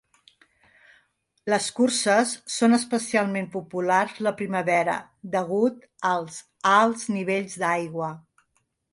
Les curses són especialment populars la primavera, degut als alts nivells d'aigua.